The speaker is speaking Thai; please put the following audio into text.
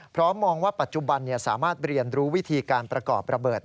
มองว่าปัจจุบันสามารถเรียนรู้วิธีการประกอบระเบิด